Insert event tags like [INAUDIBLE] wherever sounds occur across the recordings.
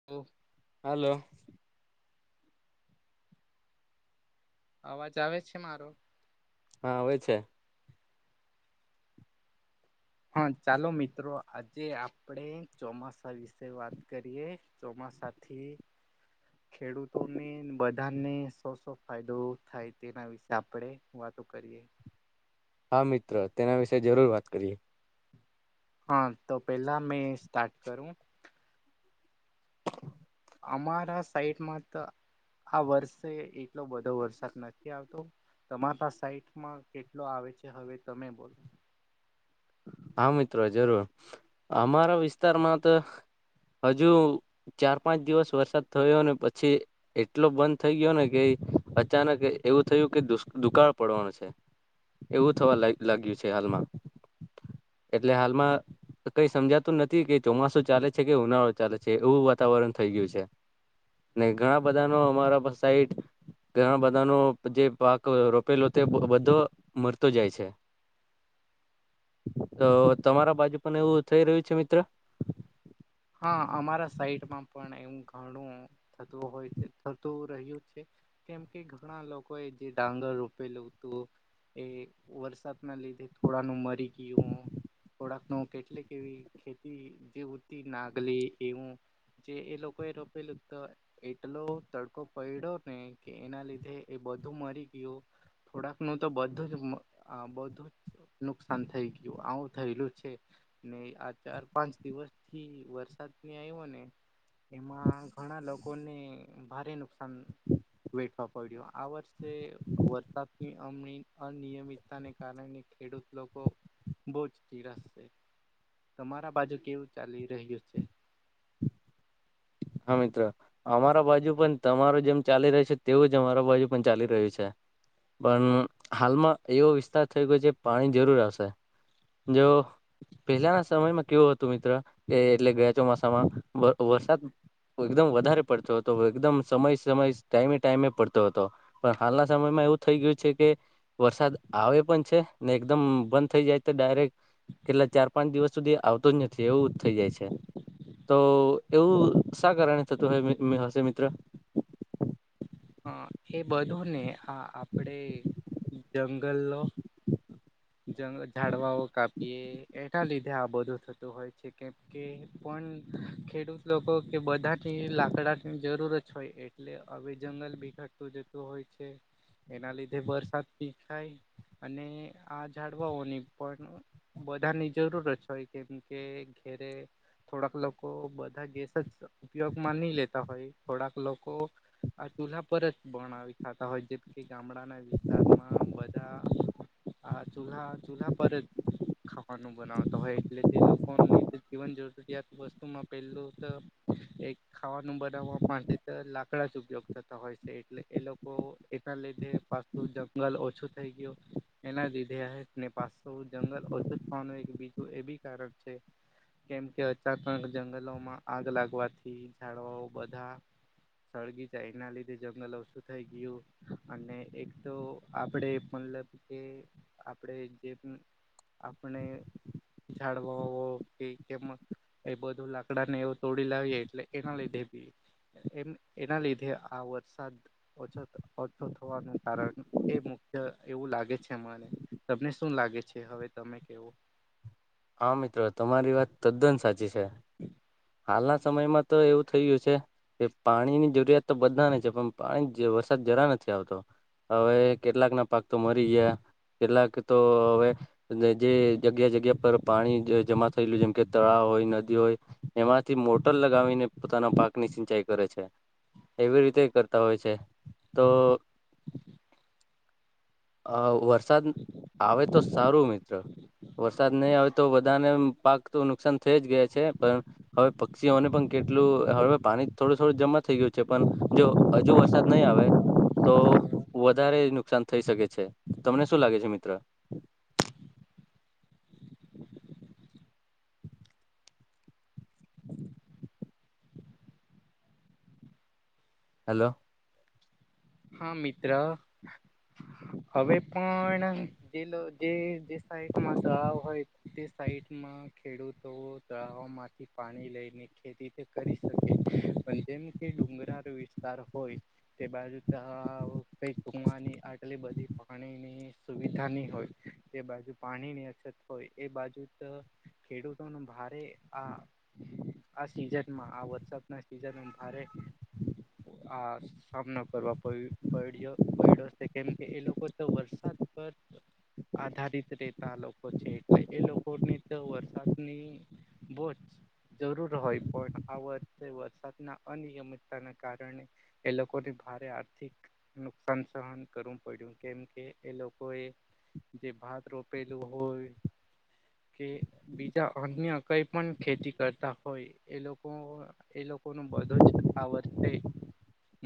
[INAUDIBLE] હાલો. અવાજ આવે છે મારો? હા આવે છે. હા, ચાલો મિત્રો આજે આપણે ચોમાસા વિશે વાત કરીએ. ચોમાસાથી ખેડૂતોને બધાને સો સો ફાયદો થાય તેના વિશે આપણે વાતો કરીએ. હા મિત્ર તેના વિશે જરૂર વાત કરીએ. હા તો પહેલા મેં સ્ટાર્ટ કરું. અમારા સાઈટમાં તો આ વર્ષે એટલો બધો વરસાદ નથી આવતો તમારા સાઈટમાં કેટલો આવે છે હવે તમે બોલો હા મિત્રો જરૂર અમારા વિસ્તારમાં તો હજુ ચાર પાંચ દિવસ વરસાદ થયો ને પછી એટલો બંધ થઇ ગયો ને કે અચાનક એવું થયું કે દુશ દુકાળ પડવાનું છે. એવું થવા લ લાગ્યું છે હાલમાં એટલે હાલમાં કઈ સમજાતું નથી કે ચોમાસું ચાલે છે કે ઉનાળો ચાલે છે. એવું વાતાવરણ થઈ ગયું છે ઘણા બધા નો અમારા પા સાઈટ ઘણા બધા નો જે પાક રોપેલો તે બધો મરતો જાય છે. તો તમારા બાજુ પણ એવું થઈ રહ્યું છે, મિત્ર? હા અમારા સાઈટમાં પણ એવું ઘણું થતું હોય છે, થતું રહ્યું છે. કેમ કે ઘણા લોકો એ જે ડાંગર રોપેલું હતું. એ વરસાદ ના લીધે થોડા નું મરી ગયું હું થોડાક નુ કેટલીક એવી ખેતી જે હુતિ નાગલી એવું. જે એ લોકો એ રોપેલું તો એટલો તડકો પયડો ને કે એના લીધે એ બધું મરી ગયું. થોડાક નું તો બધું જ મ આ બધું નુકસાન થઈ ગયું આવું થયેલું છે, ને આ ચાર પાંચ દિવસ થી વરસાદ ની આયવો એમાં ઘણા લોકોને ભારે નુકસાન વેઠવા પડ્યો આ વર્ષે વરસાદથી અમ અનિયમિત તા ને કારણે ખેડૂત લોકો બોજ નીરાસ છે. તમારા બાજુ કેવું ચાલી રહ્યું છે? હા મિત્ર. અમારા બાજુ પણ તમારુ જેમ ચાલી રહ્યું છે, તેવું જ અમારા બાજુ પણ ચાલી રહ્યું છે. પણ હાલમાં એવો વિસ્તાર થઈ ગયો જે પાણી જરૂર આવશે જો પહેલાના સમયમાં કેવો હ તું મિત્ર કે એટલે ગયા ચોમાસામાં વ વરસાદ એકદમ વધારે પડતો હતો એકદમ સમય સમય ટાઈમે ટાઈમે પડતો હતો. પણ હાલના સમયમાં એવું થઈ ગયું છે કે વરસાદ આવે પણ છે ને એકદમ બંધ થઈ જાય તો ડાયરેક્ટ કેટલા ચાર પાંચ દિવસ સુધી આવતો જ નથી એવું થઈ જાય છે તો એવું શા કારણે થતું હ હશે મિત્ર? હા એ બધું ને આ આપડે જંગલો જંગ ઝાડવાઓ કાપીએ એના લીધે આ બધું થતું હોય છે કેમ કે પણ ખેડૂત લોકો કે બધાથી લાકડાની જરૂરત હોય એ એટલે હવે જંગલ ભી ઘટતું જતું હોય છે. એના લીધે વરસાદ બી થાય અને આ જાડવાઓની પણ બધાની જરૂરત હોય કેમ કે ઘેરે થોડાક લોકો બધા ગેસ જ ઉપયોગમાં નહી લેતા હોય થોડાક લોકો આ ચૂલહા પર જ બણાવી ખાતા હોય જેમ કે ગામડાના વિસ્તારમાં બધા આ ચૂલહા ચૂલહા પર જ ખાવાનું બનાવતા હોય. એટલે તે લોકોની જીવન જરૂરીયાત વસ્તુમાં પેલું તો એક ખાવાનું બનાવવા માટે તો લાકડા જ ઉપયોગ થતા હોય છે, એટલે એ લોકો એના લીધે પાછતું જંગલ ઓછું થઈ ગયું. એના લીધે ને પાસુ જંગલ ઓછું થવાનું એક બીજું એ બી કારણ છે. કેમ કે અચાનક જંગલોમાં આગ લાગવાથી ઝાડવાઓ બધા સળગી જાય એના લીધે જંગલ ઓછું થઈ ગયું અને એક તો આપડે મતલબ કે આપણે જે આપણે ઝાડવા કે કેમ? એ બધું લાકડા ને એવું તોડી લાવીએ એટલે એના લીધે બી એમ એના લીધે આ વરસાદ ઓછ ઓછો થવાનું કારણ એ મુખ્ય એવું લાગે છે. છે તમને શું લાગે છે હવે તમે કેવો હા મિત્રો તમારી વાત તદ્દન સાચી છે. હમ [UNINTELLIGIBLE] હાલના સમયમાં તો એવું થઈ ગયું છે. કે પાણીની જરૂરિયાત તો બધાને છે પણ પાણી વરસાદ જરા નથી આવતો હવે કેટલાક ના પાક તો મરી ગયા કેટલાક તો હવે અને જે જગ્યા જગ્યા પર પાણી જમા થયેલું જેમ કે તળાવ હોય નદી હોય. એમાંથી મોટર લગાવીને પોતાના પાકની સિંચાઈ કરે છે. એવી રીતે કરતા હોય છે તો હ [UNINTELLIGIBLE] અ વરસાદ આવે તો સારું મિત્ર વરસાદ નહીં આવે તો બધાને પાક તો નુકસાન થઈ જ ગયા છે પણ હવે પક્ષીઓને પણ કેટલું હવે પાણી થોડું થોડું જમા થઈ ગયું છે પણ જો હજુ વરસાદ નહીં આવે તો વધારે નુકસાન થઈ શકે છે. તમને શું લાગે છે મિત્ર હલો હા મિત્ર હવે પણ જે જે સાઈડમાં ગળ હોય તે સાઈડમાં ખેડૂતો તળાવો માંથી પાણી લઈને ખેતી તે કરી શકે પણ જેમ કે ડુંગરાળ વિસ્તાર હોય તે બાજુ. કઈક કુવાની આટલી બધી પાણીની સુવિધા નહી હોય તે બાજુ પાણીની અછત હોય એ બાજુ ખેડૂતોનું ભારે આ આ સિઝનમાં આ વરસાદ ના સિઝનમાં ભારે આ સામના કરવા પડ્યો પડડ્યો છે કેમ કે એ લોકો તો વરસાદ પર આધારિત રહેતા લોકો છે એટલે એ લોકો ને તો વરસાદની બોજ જરૂર હોય પણ આ વ વરસાદના અનિયમિતતાના કારણે એ લોકોની ભારે આ નુકસાન સહન કરવું પડ્યું કેમ કે એ લોકોએ જે ભાત રોપેલું હોય કે બીજા અન્ય કઈ પણ ખેતી કરતા હોય એ લોકો. એ લોકો નું બધું જ આ વર્રે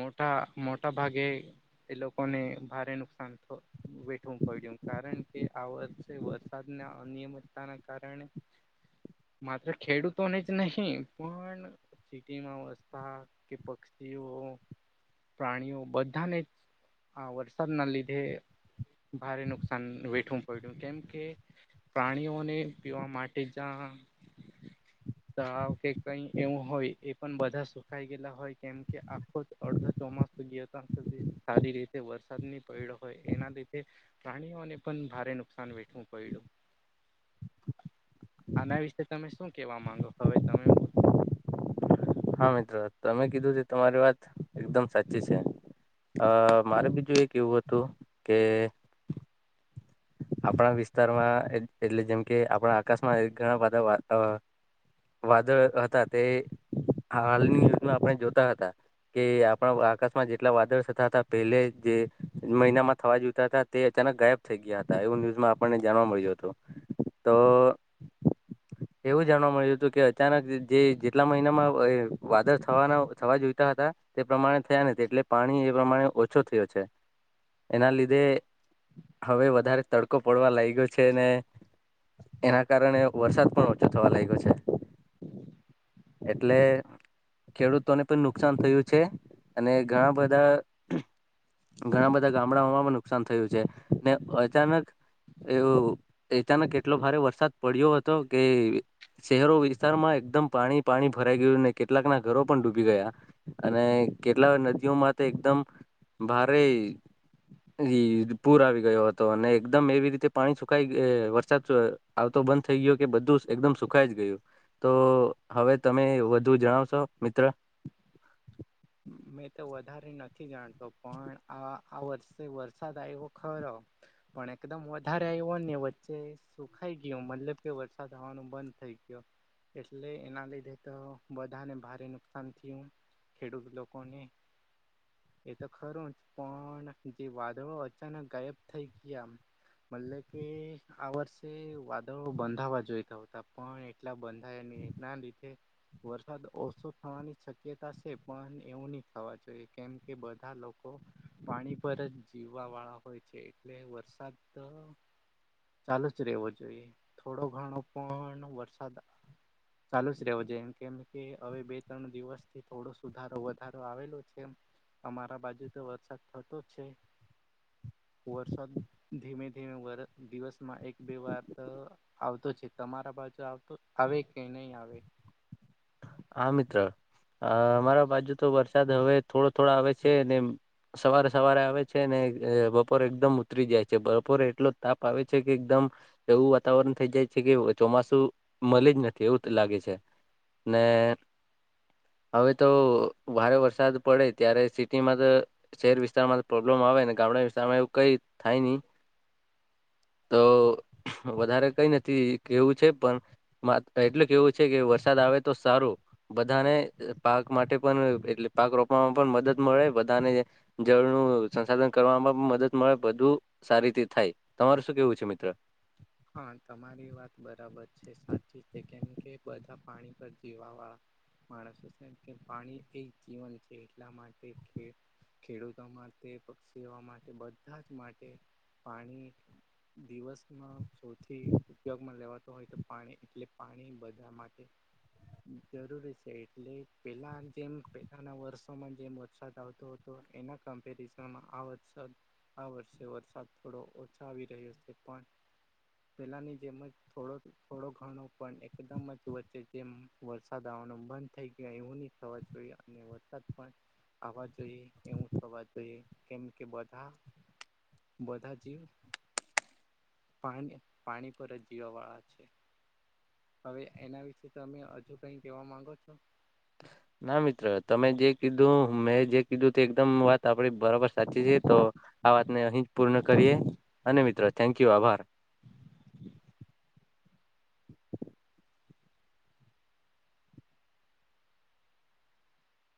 મોટા મોટા ભાગે એ લોકોને ભારે નુકસાન થ વેઠવું પડ્યું કારણ કે આ વર્ષે વરસાદના અનિયમિતતાના કારણે માત્ર ખેડૂતોને જ નહી પણ સીટીમાં વસતા કે પક્ષીઓ પ્રાણીઓ બધાને જ આ વરસાદના લીધે ભારે નુકસાન વેઠવું પડું કેમ કે પ્રાણીઓને પીવા માટે જ્યાં. તાવ કે કઈ એવું હોય એ પણ બધા સુખાઈ ગયેલા હોય કેમ કે આખો જ અડધો ચોમાસ ધ સારી રીતે વરસાદ ની પડડ હોય એના લીધે પ્રાણીઓને પણ ભારે નુકસાન વેઠવું પડ્યું. આના વિશે તમે શું કેવા માંગો? હવે તમે બોલ. હા મિત્ર તમે કીધું તે તમારી વાત એકદમ સાચી છે. અ મારે બીજું એ કેવું હતું કે આપણા વિસ્તારમાં એટલે જેમ કે આપણા આકાશમાં એ ઘણા બધા વા અ વાદળ હતા તે હાલની યુઝમાં આપણે જોતા હતા. કે આપણા આકાશમાં જેટલા વાદળ થતા હતા પહેલે જે મહિનામાં થવા જોતા હતા. તે અચાનક ગાયબ થઈ ગયા હતા એવું ન્યૂઝમાં આપણને જાણવા મળ્યું હતું તો [INAUDIBLE] એવું જાણવા મળ્યું હતું કે અચાનક જે જેટલા મહિનામાં વાદળ થવાના થવા જોઈતા હતા. તે પ્રમાણે થયા નથી એટલે પાણી એ પ્રમાણે ઓછો થયો છે. એના લીધે હવે વધારે તડકો પડવા લાગ્યો છે ને એના કારણે વરસાદ પણ ઓછો થવા લાગ્યો છે. એટલે ખેડૂતોને પણ નુકસાન થયું છે. અને ઘણા બધા ઘણા બધા ગામડાઓમાં પણ નુકસાન થયું છે. ને અચાનક એવું એચાનક એટલો ભારે વરસાદ પડ્યો હતો કે શહેરો, વિસ્તારમાં એકદમ પાણી પાણી ભરાઈ ગયું ને કેટલાકના ઘરો પણ ડૂબી ગયા. અને કેટલા નદીઓમાં તો એકદમ ભારે ઈ પૂર આવી ગયો હતો. અને એકદમ એવી રીતે પાણી સુખાય એ વરસાદ આવતો બંધ થઈ ગયો કે બધું જ એકદમ સુખ ખાઈ જ ગયું. તો હવે તમે વધુ જણાવશો મિત્ર? મેં તો વધારે નથી જાણતો પણ આ આ વર્ષે વરસાદ આવ્યો ખરો. પણ એકદમ વધારે આવ્યો ને વચ્ચે સુખાઈ ગયું. મતલબ કે વરસાદ આવવાનું બંધ થઈ ગયો. એટલે એના લીધે તો બધાને ભારે નુકસાન થયું. ખેડૂત લોકોને એ તો ખરું જ પણ જે વાદળો અચાનક ગાયબ થઈ ગયા. મલ કે આ વર્ષે વાદળો બંધાવા જોઈતા હોતા પણ એ એટલા બંધાયા નહીં એના લીધે વરસાદ ઓછો થવાની શક્યતા એ પણ એવું ની થાવા જોઈએ કેમ કે બધા લોકો પાણી પર જ જીવવાવાળા હોય છે એટલે વરસાદ ત ચાલુ જ રહેવો જોઈએ. થોડો ઘણો પણ વરસાદ ચાલુ જ રહેવો જો એમ કેમ કે હવે બે ત્રણ દિવસથી થોડો સુધારો વધારો આવેલો છે એમ. અમારા બાજુ તો વરસાદ થતો જ છે. વરસાદ ધીમે ધીમે વર દિવસમાં એક બે વાર ત આવતો છે. તમારા બાજુ આવતો આવે કે નહી આવે? હા મિત્ર અ અમારા બાજુ તો વરસાદ હવે થોડો થોડો આવે છે ને. સવારે સવારે આવે છે ને બપોરે એકદમ ઉતરી જાય છે. બપોરે એટલો તાપ આવે છે કે એકદમ એવું વાતાવરણ થઈ જાય છે કે ચોમાસું મલે જ નથી એવું લાગે છે. ને હવે તો ભારે વરસાદ પડે ત્યારે સિટીમાં તો શહેર વિસ્તારમાં તો પ્રોબ્લેમ આવે ને ગામડા વિસ્તારમાં એવું કઈ થાય ની. તો વધારે કઈ નથી કેવું છે પન માં એટલે કેવું છે કે વરસાદ આવે તો સારું. બધાને પાક માટે પણ એટલે પાક રોપવામાં પણ મદદ મળે બધાને જળનું સંસાધન કરવામાં મદદ મળે બધું. સારી રીતે થાય. તમારું શું કેવું છે મિત્ર? હા તમારી વાત બરાબર છે. સાચી છે. કેમ કે બધા પાણી પર જીવાવાળા માણસ શું કે પાણી એક જીવન છે એટલા માટે કે ખેડૂતો માટે, પક્ષીઓ માટે, બધા જ માટે પાણી દિવસમાં સૌથી ઉપયોગમાં લેવાતો હોય તો પાણી એટલે પાણી બધા માટે જરૂરી છે, એટલે પેલા જેમ પેલાના વર્ષોમાં જેમ વરસાદ આવતો હતો એના કમ્પેરીઝનમાં આ વરસાદ આ વર્ષે વરસાદ થોડો ઓછા આવી રહ્યો છે પન પેલાની જેમ જ થોડો થોડો ઘણો પણ એકદમ જ વચ્ચે જેમ વરસાદ આવવાનો બંધ થઈ ગયો એવું ની થવા જોઈએ અને વરસાદ પણ આવા જોઈએ એવું થવા જોઈએ કેમ કે બધા બધા જીવ પાણી પાણી પર જ જીવવા વાળા છે. હવે એના વિશે તો તમે હજુ કઈ કેવા માંગો છો? ના મિત્ર તમે જે કીધું મેં જે કીધું તે એકદમ વાત આપડી બરાબર સાચી છે, તો આ વાતને અહી જ પૂર્ણ કરીએ અને મિત્ર થેન્ક યુ આભાર